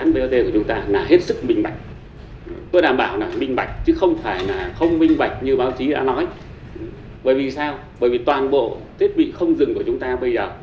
bởi vì toàn bộ thiết bị không dừng của chúng ta bây giờ